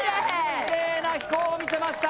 きれいな飛行を見せました。